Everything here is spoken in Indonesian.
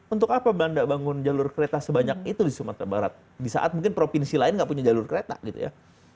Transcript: untuk apa belanda bangun jalur kereta sebanyak itu di sumatera barat di saat mungkin provinsi lain nggak punya jalur kereta gitu ya